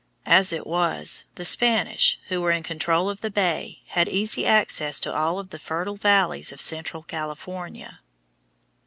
As it was, the Spanish, who were in control of the bay, had easy access to all of the fertile valleys of central California.